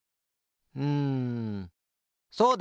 うんそうだ！